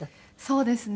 そうですね。